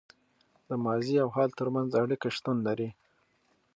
د ماضي او حال تر منځ اړیکه شتون لري.